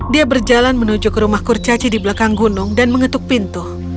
dia berjalan menuju ke rumah kurcaci di belakang gunung dan mengetuk pintu